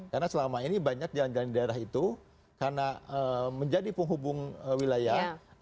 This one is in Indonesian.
karena selama ini banyak jalan jalan di daerah itu karena menjadi penghubung wilayah